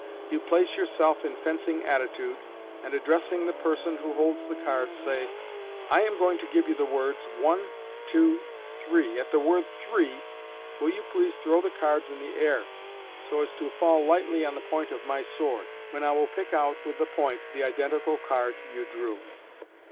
You place yourself in fencing attitude, and, addressing the person who holds the cards, say, " I am going to give you the words, one ! two ! three ! At the word ' three !' will you please throw the cards in the air, so as to fall lightly on the point of my sword, when I will pick out with the point the identical card you drew.